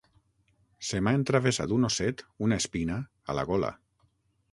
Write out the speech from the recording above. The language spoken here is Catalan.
Se m'ha entravessat un osset, una espina, a la gola.